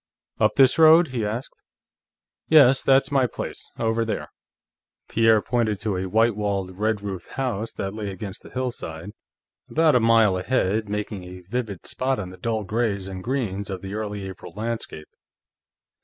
"Up this road?" he asked. "Yes. That's my place, over there." Pierre pointed to a white walled, red roofed house that lay against a hillside, about a mile ahead, making a vivid spot in the dull grays and greens of the early April landscape.